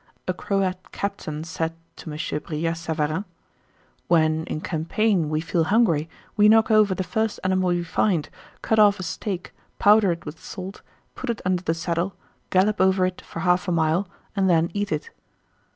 A Croat captain said to M. Brillat Savarin, "When, in campaign, we feel hungry, we knock over the first animal we find, cut off a steak, powder it with salt, put it under the saddle, gallop over it for half a mile, and then eat it."